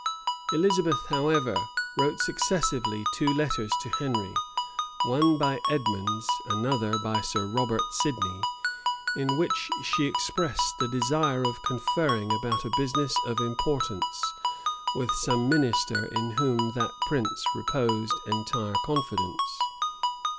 Elizabeth, however, wrote successively two letters to Henry, one by Edmondes, another by Sir Robert Sidney; in which she expressed a desire of conferring about a business of importance, with some minister in whom that prince reposed entire confidence.